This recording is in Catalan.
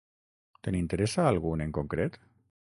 Te n'interessa algun en concret?